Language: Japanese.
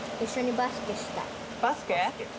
バスケ？